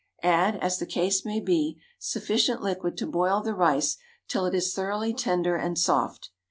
Add, as the case may be, sufficient liquid to boil the rice till it is thoroughly tender and soft.